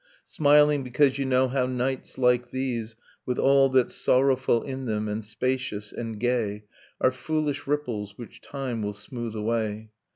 Smiling because you know how nights like these, ) With all that's sorrowful in them, and spacious, and gay, ' Are foolish ripples which time will smooth away.